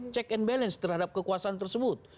check and balance terhadap kekuasaan tersebut